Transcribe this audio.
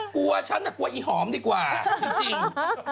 กลัวฉันกลัวอีหอมดีกว่าจริง